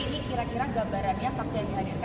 ini kira kira gambarannya saksi yang dihadirkan